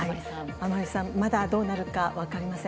甘利さん、まだどうなるか分かりません。